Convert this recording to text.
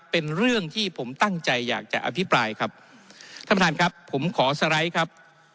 เป็นเรื่องที่ผมตั้งใจอยากจะอภิปรายครับท่านประธานครับผมขอสไลด์ครับ